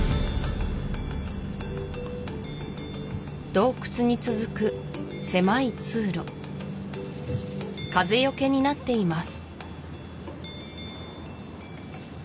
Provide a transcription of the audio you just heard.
洞窟に続く狭い通路風よけになっています